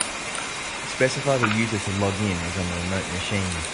Specify the user to log in as on the remote machine.